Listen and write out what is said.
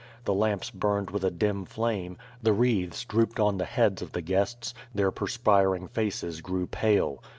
The lamps burned ^vith a dim flame; the wreaths drooped on the heads of the guests; their perspiring faces grew pale.